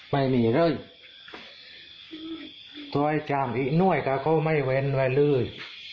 ไม่มีเลยตัวไอ้จามอีกหน่วยก็เขาไม่เว้นไว้เลย